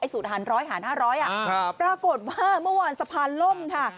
สูตรหารร้อยหาร๕๐๐อ่ะปรากฏว่าเมื่อวานสภานล่มค่ะ